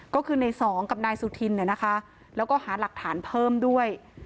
ก็คือในสองกับนายสุธินเนี่ยนะคะแล้วก็หาหลักฐานเพิ่มด้วย